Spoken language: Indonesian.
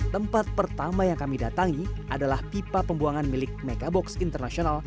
tempat pertama yang kami datangi adalah pipa pembuangan milik megabox internasional